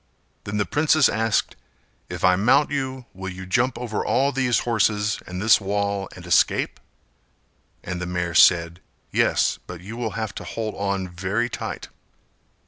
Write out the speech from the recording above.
Then the princess asked "If I mount you, will you jump over all these horses and this wall and escape?" And the mare said "Yes, but you will have to hold on very tight."